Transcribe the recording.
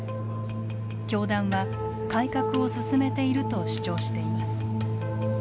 教団は改革を進めていると主張しています。